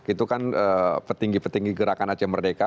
itu kan petinggi petinggi gerakan aceh merdeka